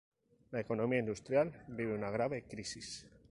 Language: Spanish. La economía industrial vive una grave crisis.